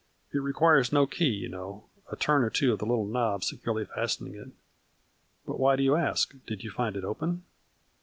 It requires no key, you know, a turn or two of the little knob securely fastening it. But why do you ask ? Did you find it open